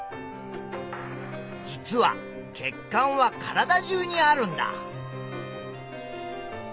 実は血管は体中にあるんだ。